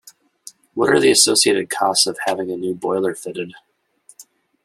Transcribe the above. What are the associated costs of having a new boiler fitted?